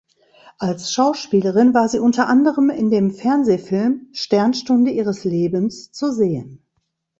Als Schauspielerin war sie unter anderem in dem Fernsehfilm "Sternstunde ihres Lebens" zu sehen.